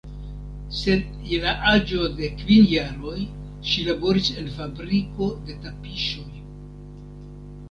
Sed je la aĝo de kvin jaroj, ŝi laboris en fabriko de tapiŝoj.